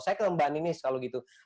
saya ke mbak ninis kalau gitu